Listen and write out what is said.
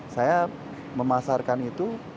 saya memasarkan itu